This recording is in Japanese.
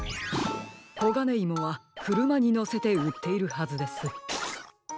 コガネイモはくるまにのせてうっているはずです。